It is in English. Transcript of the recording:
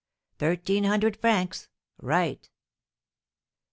Thirteen hundred francs! Right!"